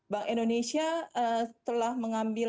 bank indonesia telah mengambil